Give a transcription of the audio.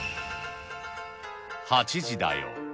８時だよ！